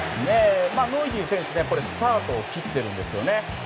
ノイジー選手はスタートを切っているんですよね。